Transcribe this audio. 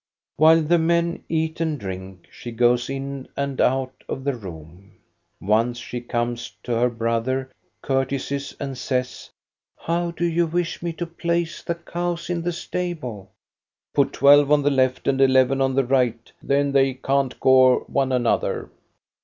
While the men eat and drink, she goes in and out of the room. Once she comes to her brother, cour tesies, and says, —" How do you wish me to place the cows in the stable?" " Put twelve on the left and eleven on the right, then they can't gore one another."